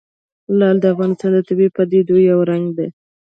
لعل د افغانستان د طبیعي پدیدو یو رنګ دی.